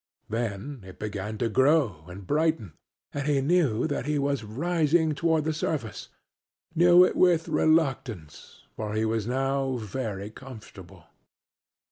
Then it began to grow and brighten, and he knew that he was rising toward the surface knew it with reluctance, for he was now very comfortable.